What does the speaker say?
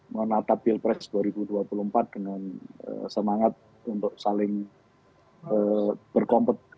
menata pilpres dua ribu dua puluh empat dengan semangat untuk saling berkompetisi